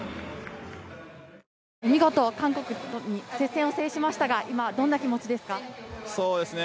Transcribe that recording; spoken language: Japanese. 見事、韓国と接戦を制しましたが今、どんな気持ちですか？